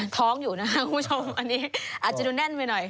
ท้องอยู่นะครับคุณผู้ชมอันนี้อาจจะดูแน่นไปหน่อย